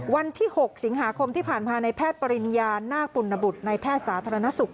วันที่๖สิงหาคมที่ผ่านมาในแพทย์ปริญญานาคปุณบุตรในแพทย์สาธารณสุข